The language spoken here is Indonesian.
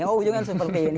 oh ujungnya seperti ini